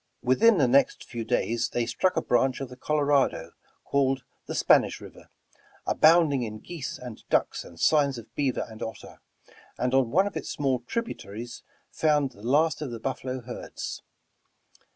Within the next few days they struck a branch of the Colorado, called the Spanish River, abounding in geese and ducks and signs of beaver and otter, and on one of its small tributaries found the last of the buf falo herds.